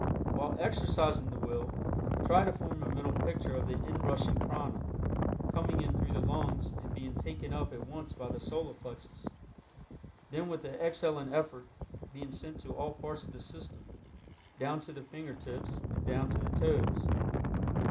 While exercising the will, try to form a mental picture of the inrushing prana, coming in through the lungs and being taken up at once by the Solar Plexus, then with the exhaling effort, being sent to all parts of the system, down to the finger tips and down to the toes.